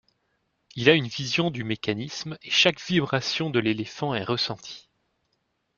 Il a une vision du mécanisme et chaque vibration de l'éléphant est ressentie.